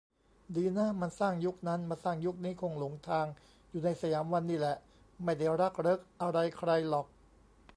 ดีนะมันสร้างยุคนั้น มาสร้างยุคนี้คงหลงทางอยู่ในสยามวันนี่แหละ ไม่ได้รักเริกอะไรใครหรอก